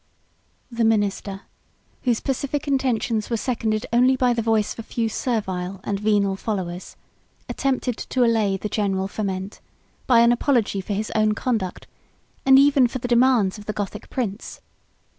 The minister, whose pacific intentions were seconded only by the voice of a few servile and venal followers, attempted to allay the general ferment, by an apology for his own conduct, and even for the demands of the Gothic prince.